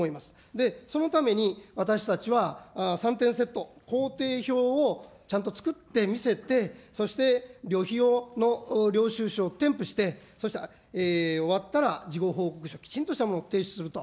で、そのために、私たちは３点セット、行程表をちゃんと作って見せて、そして、旅費の領収書を添付して、そして、終わったら、事後報告書、きちんとしたものを提出すると。